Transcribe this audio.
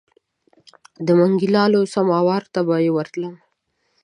د منګي لالو سماوار ته به ورتللم.